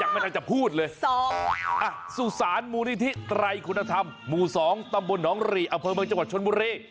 ไม่น่าจะพูดเลยสุสานมูลนิธิไตรคุณธรรมหมู่๒ตำบลหนองหรี่อำเภอเมืองจังหวัดชนบุรี